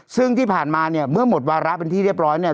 ซึ่งที่ผ่านมาเนี่ยเมื่อหมดวาระเป็นที่เรียบร้อยเนี่ย